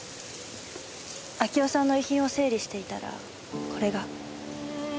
明夫さんの遺品を整理していたらこれが。